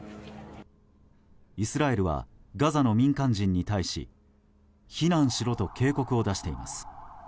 イスラエルはガザの民間人に対し避難しろと警告を出しています。